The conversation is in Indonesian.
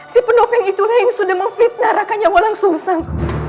si penopeng itu yang sudah memfitnah rakanya walang sungsang